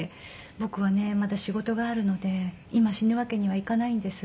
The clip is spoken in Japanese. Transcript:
「僕はねまだ仕事があるので今死ぬわけにはいかないんです」って。